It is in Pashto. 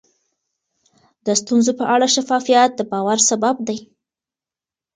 د ستونزو په اړه شفافیت د باور سبب دی.